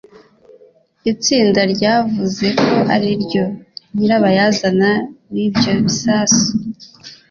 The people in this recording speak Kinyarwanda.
itsinda ryavuze ko ariryo nyirabayazana w'ibyo bisasu